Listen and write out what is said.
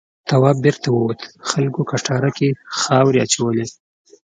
تواب بېرته ووت خلکو کټاره کې خاورې اچولې.